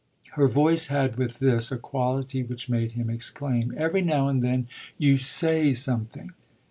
Her voice had with this a quality which made him exclaim: "Every now and then you 'say' something